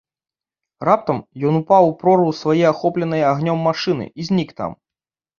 Раптам ён упаў у прорву свае ахопленай агнём машыны і знік там.